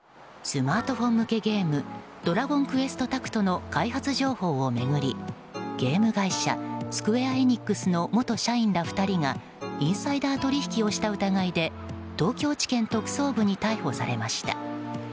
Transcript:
スマートフォン向けゲーム「ドラゴンクエストタクト」の開発情報を巡り、ゲーム会社スクウェア・エニックスの元社員ら２人がインサイダー取引をした疑いで東京地検特捜部に逮捕されました。